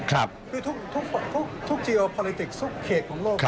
คือทุกเจียร์โปรลิติกทุกเขตของโลก